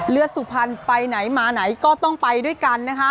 สุพรรณไปไหนมาไหนก็ต้องไปด้วยกันนะคะ